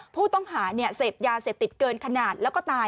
ผู้ต้องหาเสพยาเสพติดเกินขนาดแล้วก็ตาย